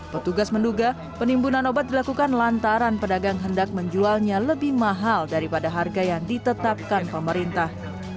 petugas menduga penimbunan obat dilakukan lantaran pedagang hendak menjualnya lebih mahal daripada harga yang ditetapkan pemerintah